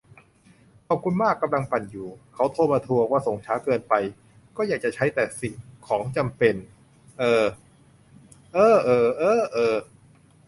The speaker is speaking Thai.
ขอบคุณมาก กำลังปั่นอยู่ "เขาโทรมาทวง ว่าส่งช้าเกินไป" ก็อยากจะใช้แต่สิ่งของจำเป็น เออ เอ๊อเออเอ๊อเออ